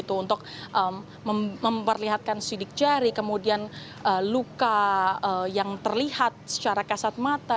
untuk memperlihatkan sidik jari kemudian luka yang terlihat secara kasat mata